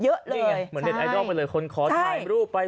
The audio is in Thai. ไงเหมือนเด็ดไอดอลไปเลยคนขอถ่ายรูปไป